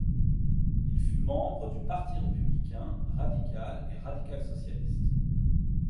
Il fut membre du Parti républicain, radical et radical-socialiste.